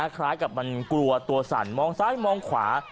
คล้ายกับมันกลัวตัวสั่นมองซ้ายมองขวา